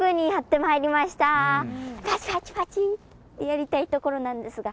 パチパチパチってやりたいところなんですが。